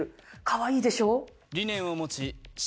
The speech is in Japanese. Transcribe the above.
かわいいでしょ？